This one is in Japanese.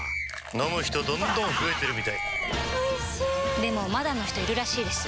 飲む人どんどん増えてるみたいおいしでもまだの人いるらしいですよ